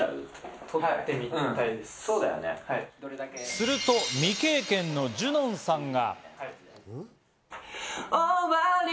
すると未経験のジュノンさんが。